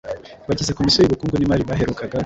bagize komisiyo y’ubukungu n’imari baherukaga